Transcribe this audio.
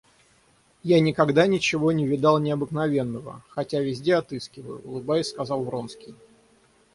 Я никогда ничего не видал необыкновенного, хотя везде отыскиваю, — улыбаясь сказал Вронский.